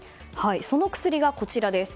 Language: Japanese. その薬がこちらです。